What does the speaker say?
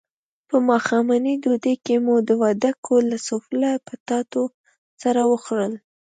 په ماښامنۍ ډوډۍ کې مو وډکوک له سوفله پټاټو سره وخوړل.